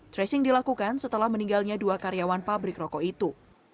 tracing dilakukan setelah meninggalnya dua karyawan pabrik rokok itu